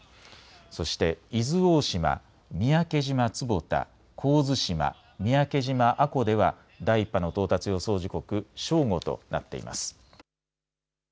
そして伊豆大島、三宅島坪田、神津島、三宅島阿古では第１波の到達予想時刻、正午となっています。